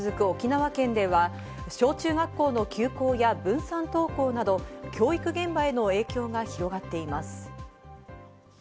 沖縄県では小中学校の休校や分散登校など教育現場への影響が広がっています。